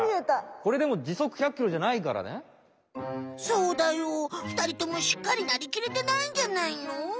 これでもそうだよふたりともしっかりなりきれてないんじゃないの？